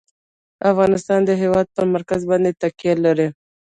افغانستان د هېواد پر مرکز باندې تکیه لري.